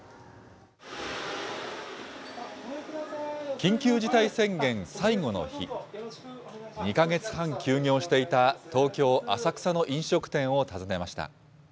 緊急事態宣言最後の日、２か月半休業していた、東京・浅草の飲食店を訪ねました。